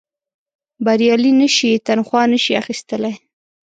بریالي نه شي تنخوا نه شي اخیستلای.